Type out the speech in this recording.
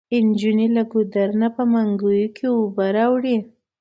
انجونې له ګودر نه په منګيو کې اوبه راوړي.